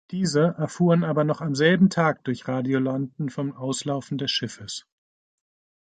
Diese erfuhren aber noch am selben Tag durch Radio London vom Auslaufen des Schiffes.